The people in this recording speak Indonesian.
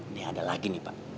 ini ada lagi nih pak